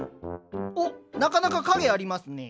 おっなかなか陰ありますね。